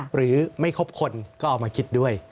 หรือไม่ครบคนก็เอามาคิดด้วย